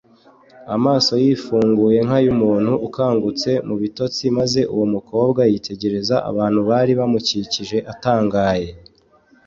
amaso yifunguye nk’ay’umuntu ukangutse mu bitotsi, maze uwo mukobwa yitegereza abantu bari bamukikije atangaye